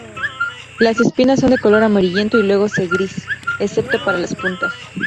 Las espinas son de color amarillento y luego se gris, excepto para las puntas.